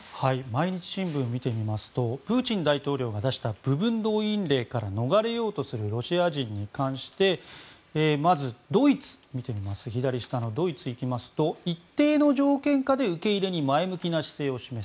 毎日新聞を見てみますとプーチン大統領が出した部分動員令から逃れようとするロシア人に関してまずドイツは一定の条件下で受け入れに前向きな姿勢。